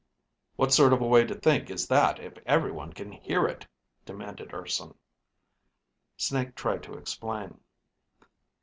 "What sort of a way to think is that if everyone can hear it?" demanded Urson. Snake tried to explain.